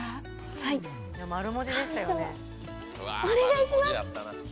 神様、お願いします！